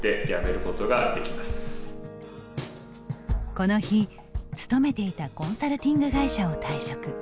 この日、勤めていたコンサルティング会社を退職。